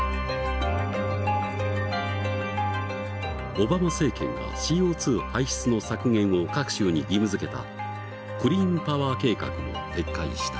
オバマ政権がＣＯ排出の削減を各州に義務づけたクリーンパワー計画も撤回した。